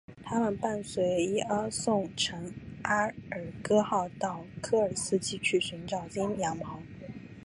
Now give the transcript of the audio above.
他们伴随伊阿宋乘阿尔戈号到科尔基斯去寻找金羊毛。